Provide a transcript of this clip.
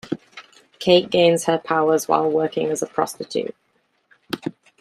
Kate gains her powers while working as a prostitute.